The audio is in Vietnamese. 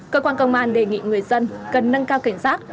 cơ quan công an đề nghị người dân cần nâng cao cảnh giác